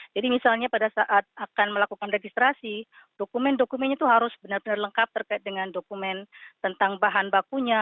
jadi misalnya pada saat akan melakukan registrasi dokumen dokumen itu harus benar benar lengkap terkait dengan dokumen tentang bahan bakunya